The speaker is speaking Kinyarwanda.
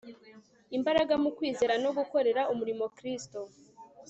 imbaraga mu kwizera no gukorera umurimo Kristo